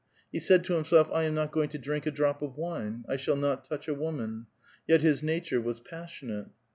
He said to him self, '• I am not going to drink a drop of wine ; I shall not touch a woman." Yet his nature was passionate.